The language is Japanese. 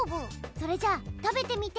それじゃあたべてみて！